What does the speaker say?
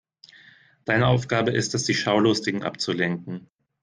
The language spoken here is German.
Deine Aufgabe ist es, die Schaulustigen abzulenken.